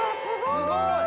すごい！